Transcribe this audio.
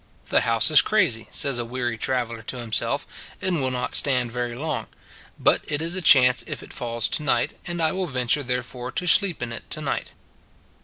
The house is crazy, says a weary traveller to himself, and will not stand very long; but it is a chance if it falls to night, and I will venture, therefore, to sleep in it to night.